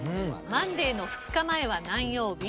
「マンデーの２日前は何曜日？」。